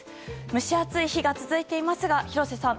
蒸し暑い日が続いていますが廣瀬さん